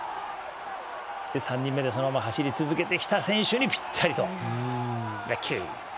そして３人目でそのまま走り続けてきた選手にぴったりとレッキー。